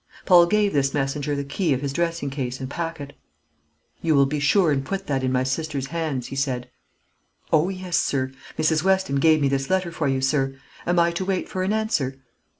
Paul gave this messenger the key of his dressing case and packet. "You will be sure and put that in my sister's hands," he said. "O yes, sir. Mrs. Weston gave me this letter for you, sir. Am I to wait for an answer?"